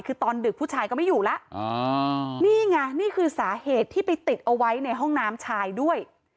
คือตอนดึกผู้ชายก็ไม่อยู่แล้วนี่ไงนี่คือสาเหตุที่ไปติดเอาไว้ในห้องน้ำชายด้วย